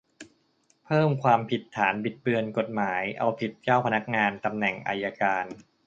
เพิ่มความผิดฐานบิดเบือนกฎหมาย เอาผิดเจ้าพนักงานตำแหน่งอัยการ